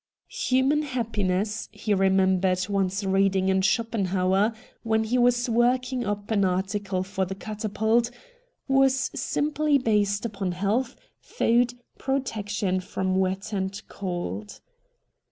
Human happiness, he remembered once reading in Schopenhauer when he was work ing up an article for the ' Catapult,' was A NINE DAYS' WONDER 215 simply based upon health, food, protection from wet and cold.